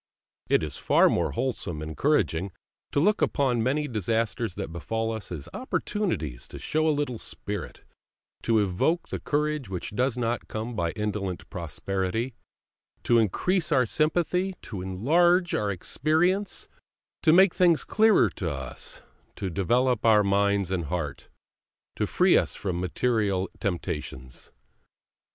It is far more wholesome and encouraging to look upon many disasters that befall us as opportunities to show a little spirit, to evoke the courage which does not come by indolent prosperity, to increase our sympathy, to enlarge our experience, to make things clearer to us, to develop our mind and heart, to free us from material temptations.